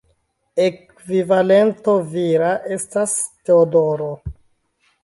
Ekvivalento vira estas Teodoro.